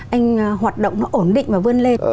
anh hoạt động nó ổn định và vươn lên